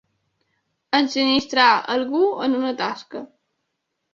Ensinistrar algú en una tasca.